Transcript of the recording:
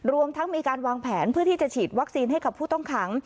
รวมทั้งมีการวางแผนเพื่อที่จะฉีดวัคซีนให้กับผู้ต้องขัง